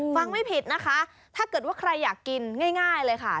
ไม่ผิดนะคะถ้าเกิดว่าใครอยากกินง่ายเลยค่ะ